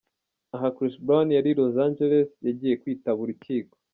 Aha Chris Brown yari ari i Los Angeles yagiye kwitaba urukiko.